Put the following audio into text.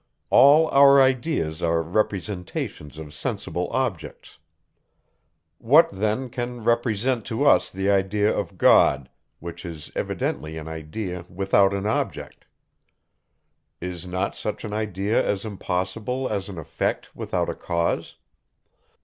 All our ideas are representations of sensible objects. What then can represent to us the idea of God, which is evidently an idea without an object? Is not such an idea as impossible, as an effect without a cause?